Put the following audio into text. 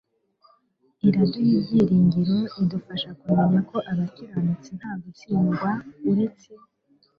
iraduha ibyiringiro idufasha kumenya ko abakiranutsi nta gutsindwa uretse